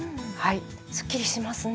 すっきりしますね。